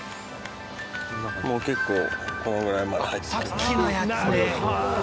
もう結構このぐらいまで入って。